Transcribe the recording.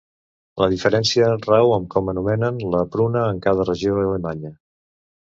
La diferència rau en com anomenen la pruna en cada regió alemanya.